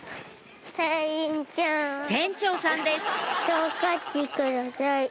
店長さんです